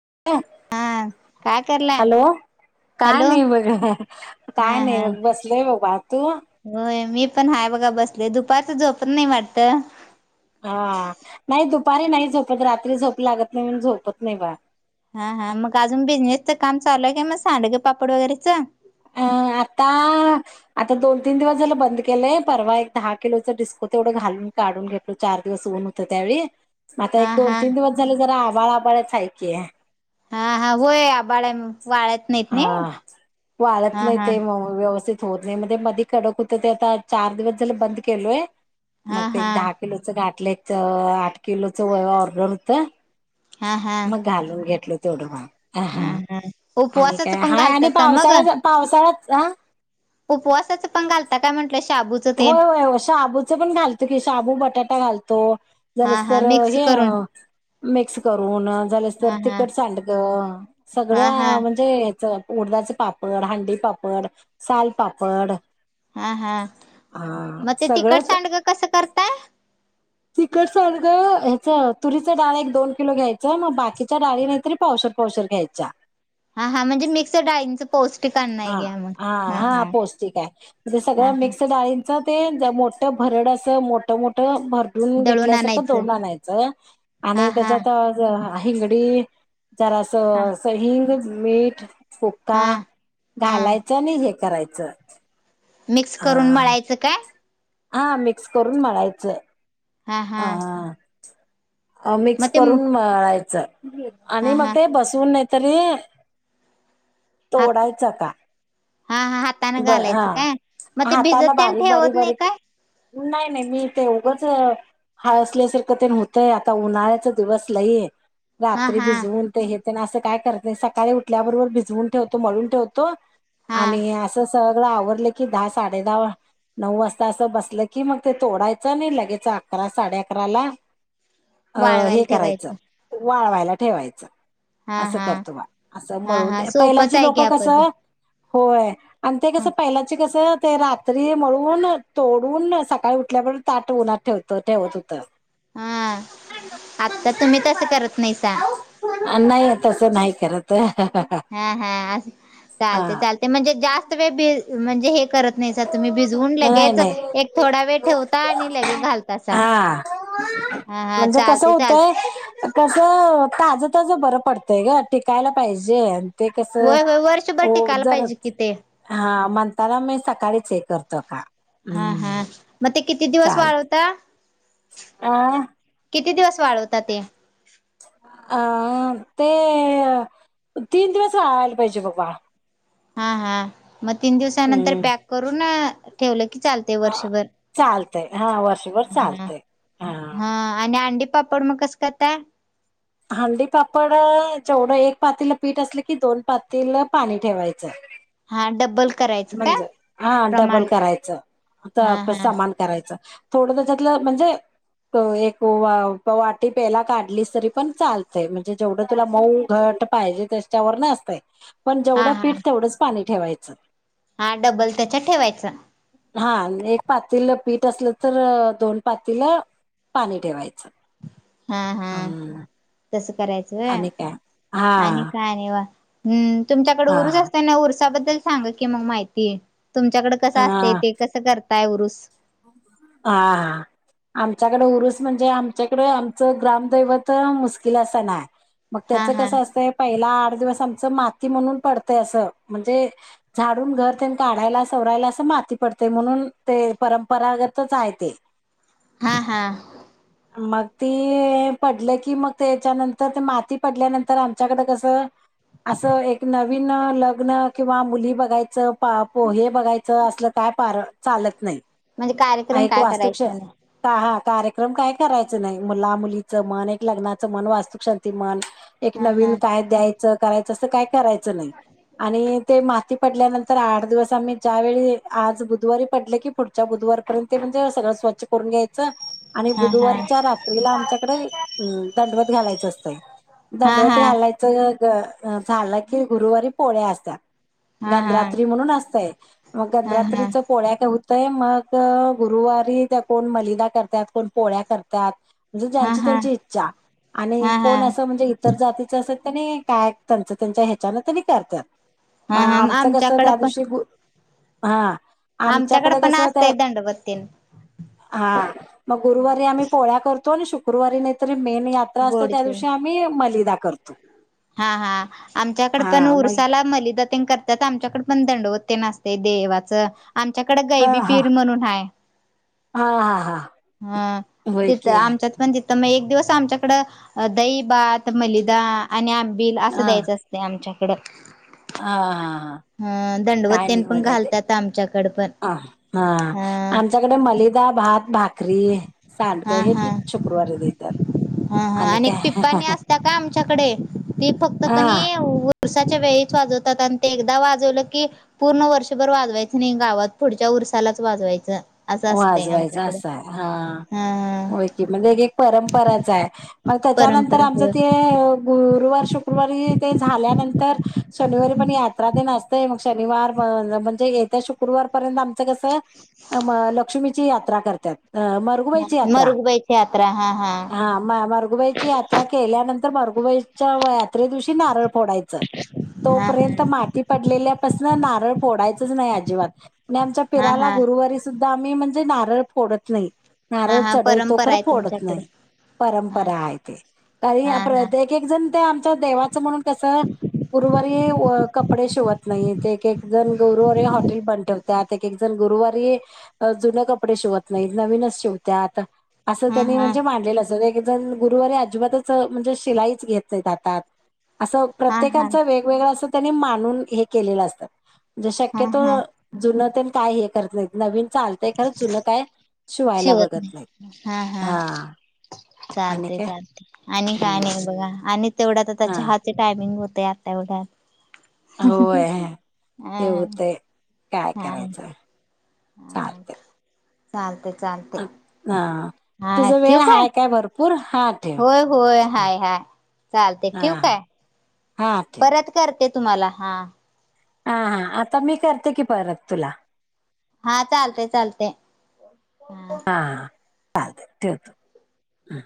[inaudible] हा काय करला हॅलो काय हॅलो नाही बघ हा काय नाही हा बग बसलेय बबा होय मी पण हाय बघा बसले दुपारचं झोपण नाही वाटत हा नाही दुपारी नाही झोपत रात्री झोप लागत नाही म्ह झोपत नाही बा हा हा मग अजून बिझनेसच काम चालू आहे का मग सांडग पापड वगैरेच अ. आता आता दोन तीन दिवस झालं बंद केलंय परवा एक दहा किलोच डिस्को तेवढं घालून. काढून घेतलो चार दिवस ऊन होतं त्यावेळी आता एक हा दोन हा तीन दिवस झाले जरा आबाळ आबाळच आहेकय. हा हा होय आ आबाळ वाळत नाहीत नाही हा वाळत हा नाही हा ते मग व्यवस्थित होत नाही मध्ये मध्ये कडक होतं ते आता चार दिवस झा बंद केलोय मग हा ते हा दहा किलोच गाठल्याच आठ किलोच व ऑर्डर होत. हा हा मग घालून घेतल तेवढं हा मा. हा आणि काय उपवासाच पण हाय आणि घालतासा मग पावसाळा्या पावसाळाच हा. उपवासाचं पण घालता काय म्हंटलं शाबूचं तेन होय होय शाबूच पण घालतो की शाबू बटाटा घालतो हा जरस हा तर मिक्स हे करून मिक्स करून झालेस तर हा हा तिखट सांडग हा सगळ्या हा म्हणजे याच उडदाचे पापड हांडीपापड सालपापड हा हा मग ते तिखट सगळंच सांडगं कसं करताय? तिखट सांडगं, ह्याचं, तुरीच दाळ एक -दोन किलो घ्यायचं. मग बाकीच्या दाळी नाहीतर पावशे पावशेर घ्यायचा हा हा म्हणजे मिक्स डाळींचं पौष्टिक अन्न आहे हा घ्या मग हा हा पौष्टिक आहे जसं हा सगळं हा मिक्स डाळी च ते मोठं भरडं असं मोठं-मोठं भरडून दळून घेतल्यासारखं आणायचं दळून आणयचं हा आणि हा त्याच्यात हिंगडी जरासं हा असं हिंग मीठ बुक्का हा हा घालायचं नी हे करायचं मिक्स करून हा मळायचं काय? हा मिक्स करून मळायचं हा हा अह मग मिक्स ते करून मळायचं आणि हा मग हा ते बसवून तरी, हात तोडायचा का? हा हा हातानं बरं हा, घालायचं काय मग ते भिजत हातानं त्यान ठेवत नाही बारीक-बारीक-बारीक काय नाही-नाही. मी इथे उभं तर, आळसल्यासारखं तेन होतंय... आता उन्हाळ्याचं दिवस लई हा रात्री हा भिजवून ते हेन ते असं काय करत नाही, सकाळी उठल्याबरोबर भिजवून ठेवतो, मळून ठेवतो हा आणि असं सग सगळं आवरलं की दहा साडेदहा नऊ वाजता असं बसलं की मग ते तोडायचं नी लगेच अकरा साडे अकराला अं वाळवायला हे करायचं ठेवायचं वाळवायला ठेवायचं. हा असं हा करतो बघ असं हा मळून हा पहिल्या सोपंच जी आहे लोकं घ्या पद कसं होय आणि ते कसं पहिलाचे कसं तर ते रात्री मळून, तोडून सकाळी उठल्याबरोबर ताट उन्हात ठेवता त ठेवत होतं हा आता तुम्ही तसं करत नाहीसा [unintelligible] अन.... नाही, तसं नाही खरं तरं हा हा असं चालतंय हा चालतंय म्हणजे जास्त वेळ भी म्हणजे हे करत नाहीसा तुम्ही भिजवून नाही लगेच नाही. एक थोडा वेळ ठेवता आणि लगेच घालतासा हा हा हा म्हणजे कसं चालते चाल होतंय तसं... ताजं-ताजं बरं पडतंय गं, टिकायला पाहिजे ते कसं होय होय वर्षभर हो टिकायला पाहिजे कि जराच ते हा म्हणताना मी सकाळी चेक करतो का? हा हा हम्म मग ते किती दिवस वाळवता? अं.. म.. किती दिवस वाळवता ते? अं ते तीन दिवस वाळायला पाहिजे बग बाळा. हां-हां म तीन दिवसानंतर हम्म पॅक करून ठेवले चालतंय हा, वर्षभर. चालतंय हा वर्षभर चालतंय हा हां आणि अंडि पापड मग कसं कताय? हंडी पापड जेवढं एक पातीलं पीठ असलं की दोन पातीलं पाणी ठेवायचं. हां डबल म्हणज, हां डबल करायचं, त हा आता हा समान करायचं. थोडं त्याच्यातलं म्हणजे त एक वा पवाटी पेला काढलीस तरी पण चालतंय, म्हणजे जेवढं तुला मऊ घट् ट पाहिजे त्याच्यावरनं असतंय. पण जेवढं पीठ तेवढंच पाणी ठेवायचं. हां डबल त्याच्या ठेवायचं. हां, एक पातीलं पीठ असलं तर दोन पातीलं पाणी ठेवायचं. हम्-हम् हम्म तसं करायचं व्हय? आणि काय हा आणि काय निवां? हम् तुमच्याकडे हा उरुस असतंय नव उरसाबद्दल सांगा की मग माहिती. तुमच्याकडं कसं असतंय ते कसं करताय उरुस? हां-हां आमच्याकडे उरूस म्हणजे आमच्याकडं आमचं ग्रामदैवत मुस्किला सन आय. मग हा त्याचं हा कसं असतंय पहिला दिवस माती म्हणून पडतंय असं, म्हणजे झाडून घर तेन काढायला सवरायला अस माती पडतंय म्हणून ते परंपरागतच आहे ते. हां-हां मग ती पडलं की मग त्याच्यानंतर ते माती पडल्यानंतर आमच्याकडे कसं असं एक नवीन लग्न किंवा मुली बघायचं, पा पोहे बघायचं असलं काय तारक चालत नाही. म्हणजे कार्यक्रम आहेक काय वास्तुश करायचा नाही ताहा कार्यक्रम काय करायचं नाही मुला मुलीनच म्हण एक लग्नाचं म्हण वास्तुकशांती म्हण एक हा नवीन हा काय द्यायचं काय करायचं नाही आणि ते माती पडल्यानंतर आठ दिवस आम्ही ज्यावेळी आज बुधवारी पडलं की पुढच्या बुधवारपर्यंत ते म्हणजे सगळं स्वच्छ करून घ्यायचं आणि हा हा बुधवारच्या रात्रीला आमच्याकड अ दंडवत घालायचं असतंय हा दंडवत हा घालायचं झालं की गुरुवारी पोळ्या असतात हा हा गधरात्री म्हणून असतय मग हा हा गधरात्रीच पोळ्या करतंय मग गुरुवारी त्या कोण मलिदा करत्यात कोण पोळ्या करत्यात म्हणजे हा हा ज्यांची त्यांची हा इच्छा आणि हा कोण असं म्हणजे इतर जातीच असं त्यांनी काय त्यांच त्यांच्या ह्याच्यान त्यांनी करतात म हा हा आमचं कस आमच्याकडं त्या पण दिवशी हा आ आमच्याकडे पण कसं आता असतंय दंडवत तेन हा गुरुवारी आम्ही मग पोळ्या करतो करतो आणि शुक्रवारी नाहीतरी मेन यात्रा असते गोड त्या जेवण दिवशी आम्ही मलिदा करतो हा हा आमच्याकडे हा पण मग उरसाला मलिदा तेन करतात आमच्याकड पण दंडवत ते तेन असतंय देवाचं आमच्याकडे हा गैबी हा पीर म्हणून आहे हा हा हा हा होय तिथं की हा आमच्यात पण ति तर मग एक दिवस आमच्याकडं दही भात मलिदा आणि आबील आंबिल असं हा द्यायचं असतंय आमच्याकडं हा हा अ दंडवत काय तेन नाही पण बर आहे ते घालतात आमच्याकडं पण हा अ आमच्याकडे मलिदा मलिदा भात भाकरी सांडगं हा हेच की हा ते शुक्रवारी देतात हा हा आणि पिप्पानी असत्या काय आमच्याकडे ती फक्त हा कनी व उसाच्या वेळीच वाजवतात आणि ते एकदम एकदा वाजवलं की पूर्ण वर्षभर वाजवायचं नाही गावात पुढच्या वर्षलाच वाजवायचं असं हो असतंय वाजवायच आमच्याकडे असंय हा हा हा हो की म्हणजे एक एक परंपराच आहे मग त्याच्यानंतर परंपरा आमच होय ते गुरुवार श फेब्रुवारी ते झाल्यानंतर शनिवारी पण या यात्रा असतं मग शनिवार म्हणजे येत्या शुक्रवारपर्यंत आमच कस लक्ष्मीची यात्रा करतात मरघुबाईची यात्रा मरुगबाईची यात्रा हा हा म मरगुबाईची यात्रा केल्यानंतर भगुबाईच्या यात्रे दिवशी नारळ फोडायच हा तोपर्यंत हा माती पडलेल्या नारळ फोडायच नाही अजिबात आणि आमच्या पीर हा हा गुरुवारी सुद्धा आम्ही म्हणजे नारळ फोडत नाही हा नारळ हा चढवतो परंपरा खरं आहे फोडत तुमच्याकडे नाही हा परंपरा आहे ते काही हा हा प्रत्य एक जण ते आमच्या देवाचं म्हणून कस गुरुवारी कपडे शिव त नाही एक एक जण गुरुवारी हे हॉटेल बंद ठेवतात ता एक एक जण गुरुवारी जुने कपडे शिवत नाही नवीनच शिवते आता असं हा त्यांनी हा म्हणजे मांडलेलं अस नाही पण गुरुवारी अजिबातच म्हणजे शिलाईच घेत नाही हातात असं हा हा प्रत्येकांच वेगवेगळं असं त्यांनी मानून हे केलेलं असतात हा शक्यतो हा जुन तेल काय हे करत नाही नवीन चालतंय खरंच जुनं काय शिवायला शिवत बघत नाहीत. नाही हा हा आणि चालते काय चालते आणि काय नाही हम्म बघा आणि तेवढा तर त्या हा चहाचे टायमिंग होत ते आता एवढ्या होय येग ते काय हा करायचं चालते चालते अ ह तुझ हा वेळ ठेवू हा काय भरपूर हा ठेव. होय होय हाय हाय चालते हा ठेऊ हा काय हा ठेव परत करते तुम्हाला हा हा हा आता मी करते की परत तुला हा चालते चालतंय. हा चालेल ठेवते हम्म